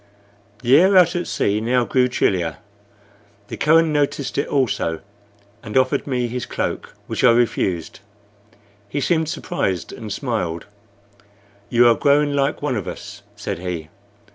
The air out at sea now grew chillier. The Kohen noticed it also, and offered me his cloak, which I refused. He seemed surprised, and smiled. "You are growing like one of us," said he.